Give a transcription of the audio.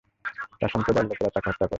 তার সম্প্রদায়ের লোকেরা তাঁকে হত্যা করে।